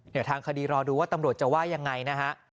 เดี๋ยวทางคดีรอดูว่าตำรวจจะว่ายังไงนะฮะ